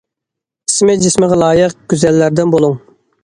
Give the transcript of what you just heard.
ئىسمى جىسمىغا لايىق گۈزەللەردىن بولۇڭ.